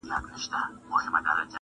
ځغلول يې موږكان تر كور او گوره-